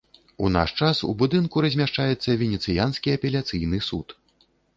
У наш час у будынку размяшчаецца венецыянскі апеляцыйны суд.